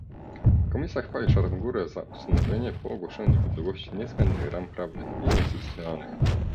Komisja chwali Czarnogórę za ustanowienie po ogłoszeniu niepodległości niezbędnych ram prawnych i instytucjonalnych